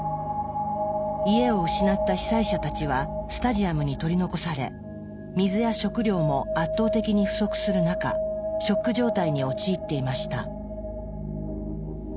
家を失った被災者たちはスタジアムに取り残され水や食料も圧倒的に不足する中ショック状態に陥っていました。